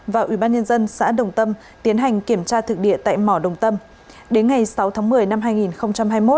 và ubnd xã đồng tâm tiến hành kiểm tra thực địa tại mỏ đồng tâm